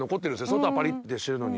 外はパリってしてるのに。